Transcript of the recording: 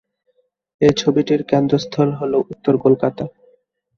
এই ছবিটির কেন্দ্রস্থল হল উত্তর কলকাতা।